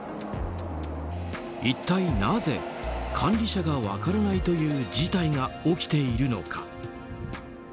一体なぜ管理者が分からないという事態が起きているのか。